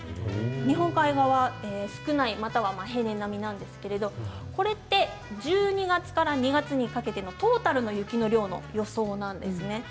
日本海側は少ない、または平年並みなんですが、これは１２月から２月にかけてのトータルの雪の量の予想なんですね。